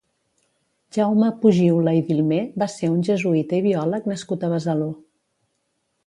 Jaume Pujiula i Dilmé va ser un jesuïta i biòleg nascut a Besalú.